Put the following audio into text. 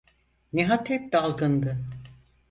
Nihat hep dalgındı.